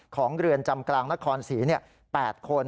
เรือนจำกลางนครศรี๘คน